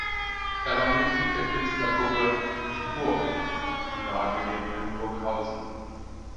Er war Mitglied der Künstlergruppe „Die Burg“ im nahegelegenen Burghausen.